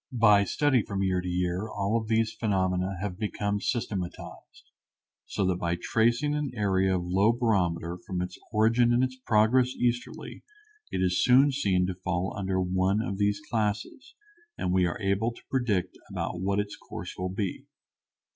By study from year to year all of these phenomena have become systematized, so that by tracing an area of low barometer from its origin in its progress easterly it is soon seen to fall under one of these classes and we are able to predict about what its course will be.